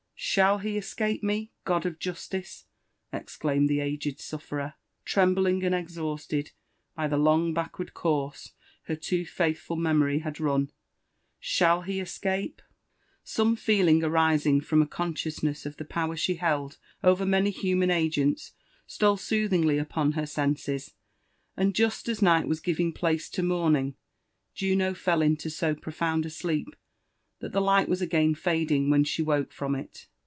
—*' Shidl he escape me, God^f jwrtiee I " exclaimed the aged sufferer, trembling and exhausted by the long backward course her too faithful memory had iittn, * ^'ahaUheescq^e?" Seme feding arising from a consciousness of the power die held over many human agents stole soothingly upon her senses, and just as SaS UFB AND ADYBNTURBS OF nigbl was gimg pUce to moniiiig, luno (dl into so profound t sleep that the light was again tading when she woke from it.